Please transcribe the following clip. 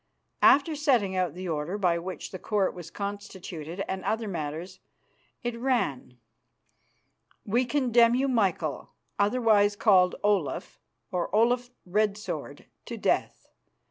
After setting out the order by which the Court was constituted and other matters, it ran: "We condemn you, Michael, otherwise called Olaf or Olaf Red Sword, to death.